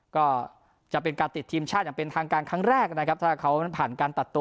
ก็จะเป็นการติดทีมชาติอย่างเป็นทางการครั้งแรกนะครับถ้าเขานั้นผ่านการตัดตัว